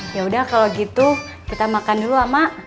yaudah kalau gitu kita makan dulu pak